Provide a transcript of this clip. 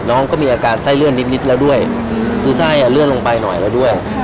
น้องก็มีอาการไส้เลื่อนนิดนิดแล้วด้วยคือไส้อ่ะเลื่อนลงไปหน่อยแล้วด้วย